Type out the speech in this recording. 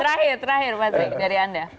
terakhir terakhir mas ricky dari anda